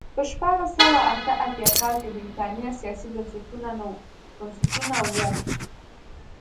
په شپاړس سوه اته اتیا کال کې برېټانیا سیاسي بنسټونه وو.